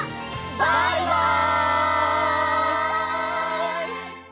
バイバイ！